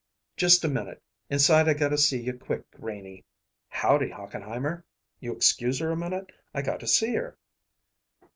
"Just a minute. Inside I gotta see you quick, Renie. Howdy, Hochenheimer? You excuse her a minute. I got to see her."